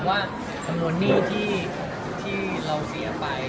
ว่าจำนวนหนี้ที่เราเสียไป